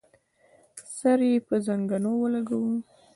سر يې پر زنګنو ولګاوه.